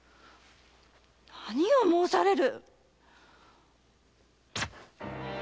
何を申される！